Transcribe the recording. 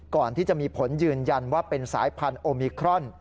ก่อนที่จะมีผลยืนยันว่าเป็นสายพันธุ์โอมิครอน